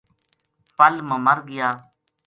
پل ما مر گیا